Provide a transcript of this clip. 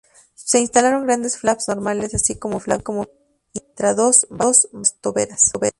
Se instalaron grandes flaps normales, así como flaps de intradós bajo las toberas.